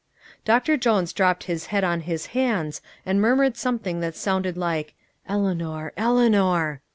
Doctor Jones dropped his head on his hands and murmured something that sounded like "Eleanor, Eleanor!"